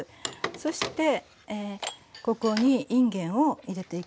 そしてここにいんげんを入れていきます。